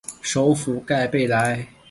首府盖贝莱。